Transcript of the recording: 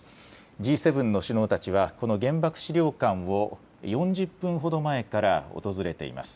Ｇ７の首脳たちはこの原爆資料館を４０分ほど前から訪れています。